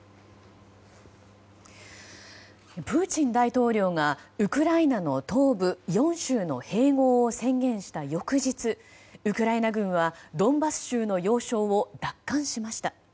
プーチン大統領がウクライナの東部４州の併合を宣言した翌日ウクライナ軍はドンバス州の要衝を奪還しました。